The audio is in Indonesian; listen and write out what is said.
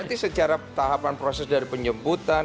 jadi secara tahapan proses dari penjemputan